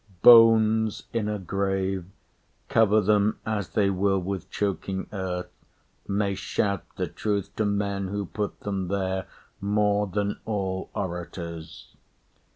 Bones in a grave, Cover them as they will with choking earth, May shout the truth to men who put them there, More than all orators.